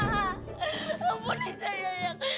ya ampun lisa yang